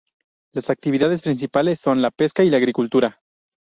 Las actividades principales son la pesca y la agricultura.